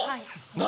何？